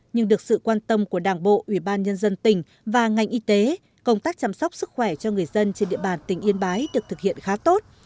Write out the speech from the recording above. nhưng được sự quan tâm của đảng bộ ủy ban nhân dân tỉnh và ngành y tế công tác chăm sóc sức khỏe cho người dân trên địa bàn tỉnh yên bái được thực hiện khá tốt